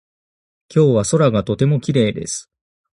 今日は空がとてもきれいです。